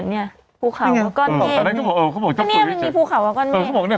มีก็ลาว